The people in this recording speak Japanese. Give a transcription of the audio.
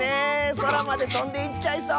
そらまでとんでいっちゃいそう。